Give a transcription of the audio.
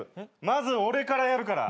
まず俺からやるから。